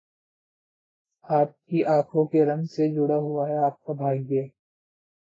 आपकी आंखों के रंग से जुड़ा हुआ है आपका भाग्य